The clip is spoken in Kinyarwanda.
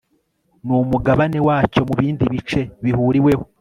n umugabane wacyo mu bindi bice bihuriweho